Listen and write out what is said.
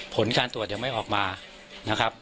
ผลการตรวจยังไม่ออกมานะครับ